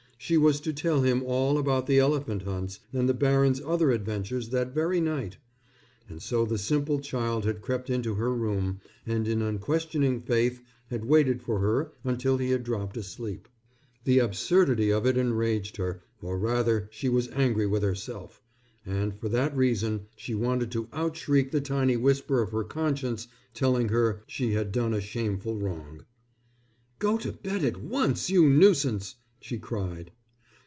She was to tell him all about the elephant hunts and the baron's other adventures that very night. And so the simple child had crept into her room and in unquestioning faith had waited for her until he had dropped asleep. The absurdity of it enraged her, or rather she was angry with herself, and for that reason she wanted to outshriek the tiny whisper of her conscience telling her she had done a shameful wrong. "Go to bed at once, you nuisance!" she cried.